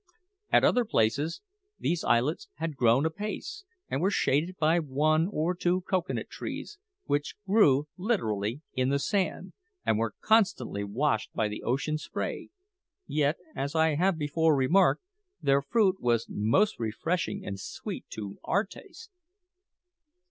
At other places these islets had grown apace, and were shaded by one or two cocoa nut trees, which grew literally in the sand, and were constantly washed by the ocean spray yet, as I have before remarked, their fruit was most refreshing and sweet to our taste.